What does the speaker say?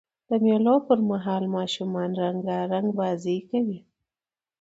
د مېلو پر مهال ماشومان رنګارنګ بازۍ کوي.